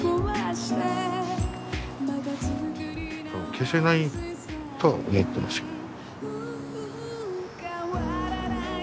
消せないとは思ってますけど。